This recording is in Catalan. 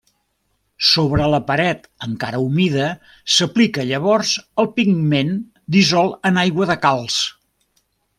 Sobre la paret, encara humida, s'aplica llavors el pigment dissolt en aigua de calç.